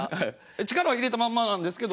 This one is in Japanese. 力を入れたまんまなんですけど。